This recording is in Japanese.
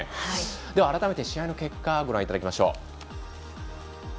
では、改めて試合の結果ご覧いただきましょう。